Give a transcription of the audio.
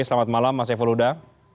selamat malam mas syaful huda